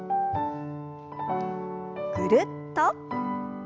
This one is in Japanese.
ぐるっと。